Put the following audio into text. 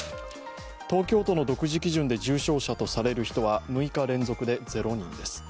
東京都の独自基準で重症者とされる人は６日連続で０人です。